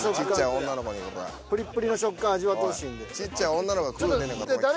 プリップリの食感味わってほしいんで。